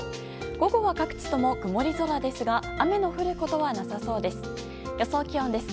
午後は各地とも曇り空ですが雨の降ることはなさそうです。